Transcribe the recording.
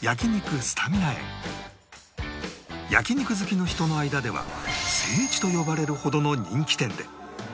焼き肉好きの人の間では聖地と呼ばれるほどの人気店で